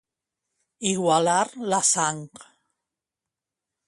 Igualar la sang.